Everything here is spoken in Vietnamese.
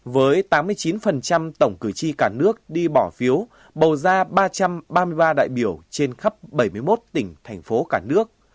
với tám mươi chín tổng cử tri cả nước đi bỏ phiếu bầu ra ba trăm ba mươi ba đại biểu trên khắp bảy mươi một tỉnh thành phố cả nước